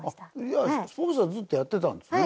じゃあスポーツはずっとやってたんですね。